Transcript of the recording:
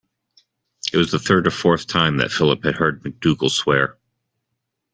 It was the third or fourth time that Philip had heard MacDougall swear.